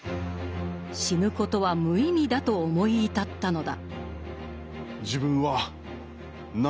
死ぬことは無意味だと思い至ったのだ。